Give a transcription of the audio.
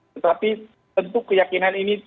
tetapi tentu keyakinan ini